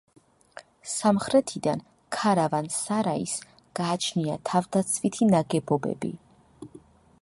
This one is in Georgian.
სამხრეთიდან ქარავან-სარაის გააჩნია თავდაცვითი ნაგებობები.